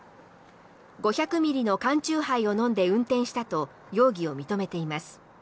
５００ミリの缶酎ハイを飲んで運転したと容疑を認めています。